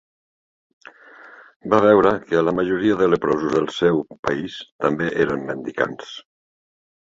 Va veure que la majoria de leprosos del seu país també eren mendicants.